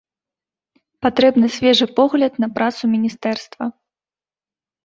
Патрэбны свежы погляд на працу міністэрства.